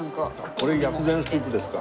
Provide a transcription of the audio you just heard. これ薬膳スープですか。